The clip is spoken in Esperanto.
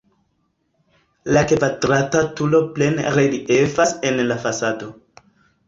La kvadrata turo plene reliefas en la fasado.